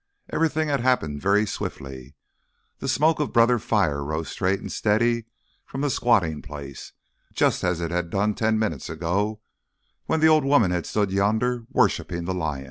Everything had happened very swiftly. The smoke of Brother Fire rose straight and steady from the squatting place, just as it had done ten minutes ago, when the old woman had stood yonder worshipping the lion.